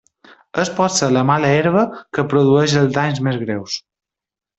És potser la mala herba que produeix els danys més greus.